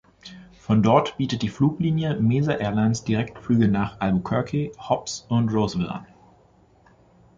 Von dort bietet die Fluglinie Mesa Airlines Direktflüge nach Albuquerque, Hobbs und Roswell an.